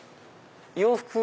洋服。